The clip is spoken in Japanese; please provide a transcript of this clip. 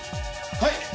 はい！